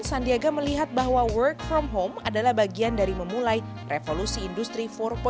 sandiaga melihat bahwa work from home adalah bagian dari memulai revolusi industri empat